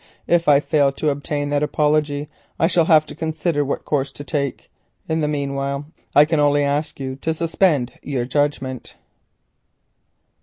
If I fail to obtain that apology, I shall have to consider what course to take. In the meanwhile I can only ask you to suspend your judgment."